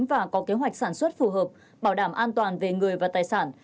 và có kế hoạch sản xuất phù hợp bảo đảm an toàn về người và tài sản